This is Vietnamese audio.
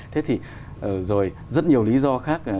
thế thì rồi rất nhiều lý do khác